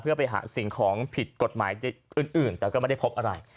เพื่อไปหาสิ่งของผิดกฎหมายอื่นแต่ก็ไม่ได้พบอะไร